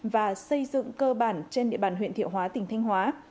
và xây dựng cơ bản trên địa bàn huyện thiệu hóa tỉnh thanh hóa